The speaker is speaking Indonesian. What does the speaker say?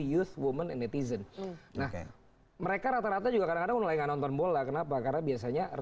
youth woman netizen nah mereka rata rata juga kadang kadang nonton bola kenapa karena biasanya